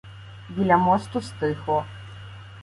Біля мосту стихло.